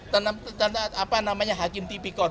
tentang hakim tipikot